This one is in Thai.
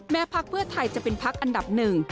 พักเพื่อไทยจะเป็นพักอันดับหนึ่ง